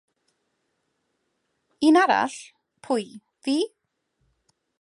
Un arall, pwy fi?